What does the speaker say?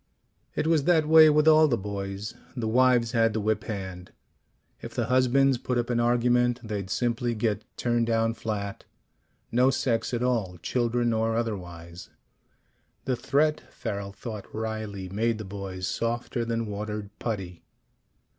It was that way with all the boys. The wives had the whip hand. If the husbands put up an argument, they'd simply get turned down flat: no sex at all, children or otherwise. The threat, Farrel thought wryly, made the boys softer than watered putty.